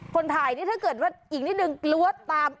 คนถ่ายนี่ถ้าเกิดว่าอีกนิดนึงกลัวตาม